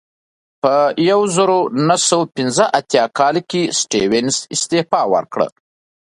په یوه زرو نهه سوه پنځه اتیا کال کې سټیونز استعفا ورکړه.